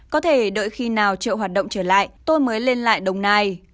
có thể đợi khi nào chợ hoạt động trở lại tôi mới lên lại đồng nai